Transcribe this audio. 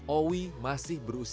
owi masih bergabung